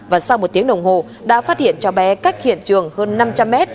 và sau một tiếng đồng hồ đã phát hiện cháu bé cách hiện trường hơn năm trăm linh m